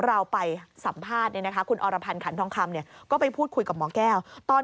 เราไปสัมภาษณ์เนี่ยนะคะคุณอรพันธ์ขันทองคำเนี่ยก็ไปพูดคุยกับหมอแก้วตอน